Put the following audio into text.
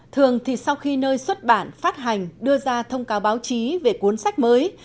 thường thì sau khi nơi xuất bản phát hành đưa ra thông cáo báo chí về cuốn sách mới